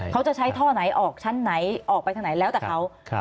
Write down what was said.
เขาจะใช้ท่อไหนออกชั้นไหนออกไปทางไหนแล้วแต่เขา